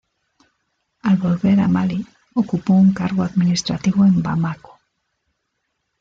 Al volver a Mali, ocupó un cargo administrativo en Bamako.